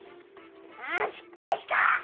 あ失敗した！